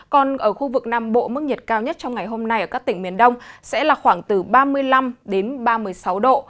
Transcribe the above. còn ở khu vực nam bộ mức nhiệt cao nhất trong ngày hôm nay ở các tỉnh miền đông sẽ là khoảng từ ba mươi năm đến ba mươi sáu độ